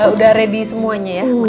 udah ready semuanya ya